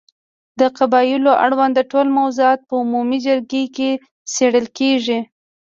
د قبایلو اړوند ټول موضوعات په عمومي جرګې کې څېړل کېږي.